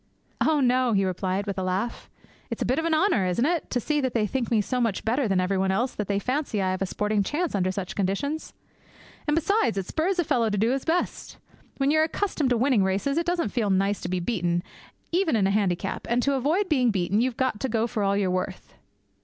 'Oh, no,' he replied, with a laugh, 'it's a bit of an honour, isn't it, to see that they think me so much better than everybody else that they fancy I have a sporting chance under such conditions? And, besides, it spurs a fellow to do his best. When you are accustomed to winning races, it doesn't feel nice to be beaten, even in a handicap, and to avoid being beaten you've got to go for all you're worth.'